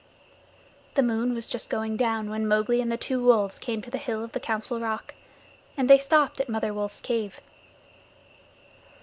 The moon was just going down when Mowgli and the two wolves came to the hill of the Council Rock, and they stopped at Mother Wolf's cave.